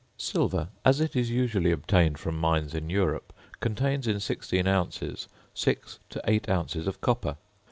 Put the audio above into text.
Silver, as it is usually obtained from mines in Europe, contains in 16 ounces, 6 to 8 ounces of copper.